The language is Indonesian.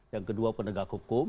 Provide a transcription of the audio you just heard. yang kedua penegak hukum